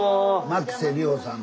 牧瀬里穂さんです。